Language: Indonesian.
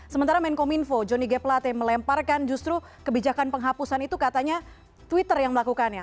sementara menkominfo jonny g plate melemparkan justru kebijakan penghapusan itu katanya twitter yang melakukannya